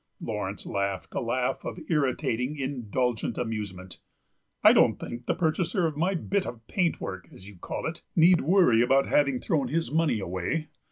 Laurence laughed a laugh of irritating, indulgent amusement. "I don't think the purchaser of my bit of paintwork, as you call it, need worry about having thrown his money away.